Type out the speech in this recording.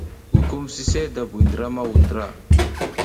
Gukum sise da buy ndra ma wuɗ ndra.